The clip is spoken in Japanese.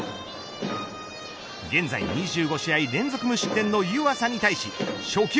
現在２５試合連続無失点の湯浅に対し初球。